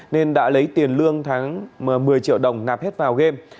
nên đã lấy tiền lương tháng một mươi triệu đồng nạp hết vào game